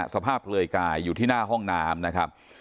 เปลือยกายอยู่ที่หน้าห้องน้ำนะครับ